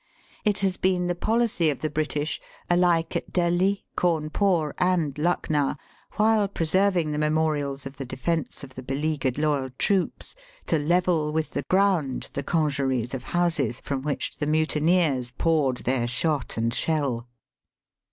It has been the policy of the British, alike at Delhi, Cawnpore, and Lucknow, while preserving the memorials of the defence of the beleaguered loyal troops, to level with Digitized by VjOOQIC THE EESIDENCY AT LUCKNOW. 243 the ground the congeries of houses from which the mutineers poured their shot and shell.